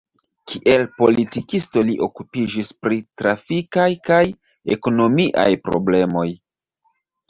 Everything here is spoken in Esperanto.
Kiel politikisto li okupiĝis pri trafikaj kaj ekonomiaj problemoj.